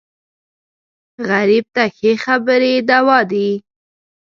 غریب ته ښې خبرې دوا دي